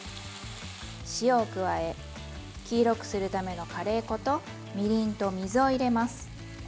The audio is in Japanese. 塩を加え黄色くするためのカレー粉とみりんと水を入れます。